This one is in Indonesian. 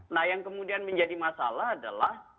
nah yang kemudian menjadi masalah adalah